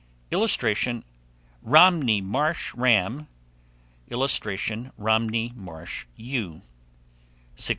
[Illustration: ROMNEY MARSH RAM.] [Illustration: ROMNEY MARSH EWE.